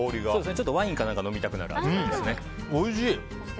ちょっとワインか何か飲みたくなる味ですね。